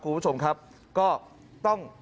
คุณผู้ชมครับก็ต้อง